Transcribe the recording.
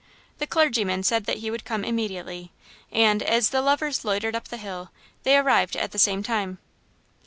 The clergyman said that he would come immediately, and, as the lovers loitered up the hill, they arrived at the same time.